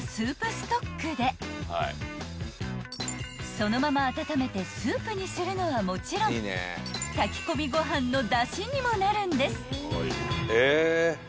［そのまま温めてスープにするのはもちろん炊き込みご飯のだしにもなるんです］